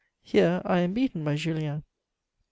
Here I am beaten by Julien.